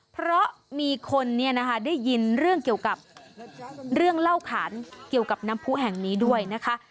เพราะมีคนเนี่ยนะคะได้ยินเรื่องเกี่ยวกับเรื่องเล่าขานเกี่ยวกับน้ำผู้แห่งนี้ด้วยนะคะ